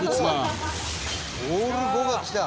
「オール５がきた！」